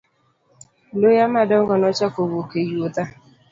Luya madongo nochako wuok e yuotha.